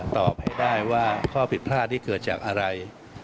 ตอบให้ได้ว่าข้อผิดพลาดนี้เกิดจากอะไร